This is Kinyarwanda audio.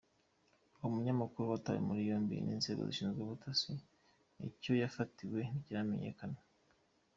Uwo munyamakuru watawe muri yombi n’inzego zishinzwe ubutasi, icyo yafatiwe ntikiramenyekana.